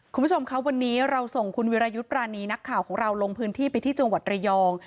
คุณผู้ชมครับวันนี้เราส่งคุณวิรายุทธ์ปรานีนักข่าวของเราลงพื้นที่ไปที่จังหวัดระยอง